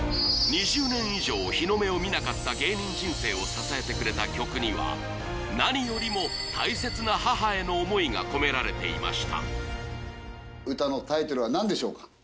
２０年以上日の目を見なかった芸人人生を支えてくれた曲には何よりも大切な母への思いが込められていました歌のタイトルは何でしょうか？